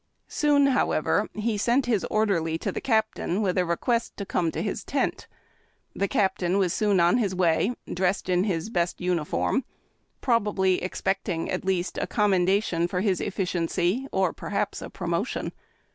Soon, however, he sent his Orderly to the Captain with a request to come to his tent. The Cap tain was soon on Ins way, dressed in his best uniform, probably expecting, at least, a commendation for his effi ciency, or perhaps a promotion.